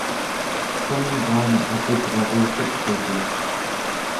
qessangraan akusrarutekluku